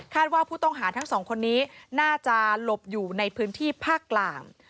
ว่าผู้ต้องหาทั้งสองคนนี้น่าจะหลบอยู่ในพื้นที่ภาคกลาง